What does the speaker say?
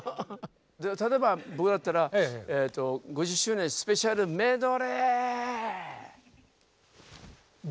例えば僕だったらえっと５０周年スペシャルメドレー。